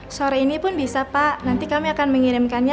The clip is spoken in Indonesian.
sore ini pun bisa pak nanti kami akan mengirimkannya